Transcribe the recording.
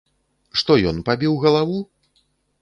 Што ён пабіў галаву?